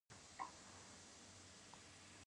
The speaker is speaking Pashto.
د امیر کروړ شعر ژبه ئي ډېره سلیسه او روانه ده.